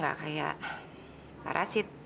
gak kayak parasit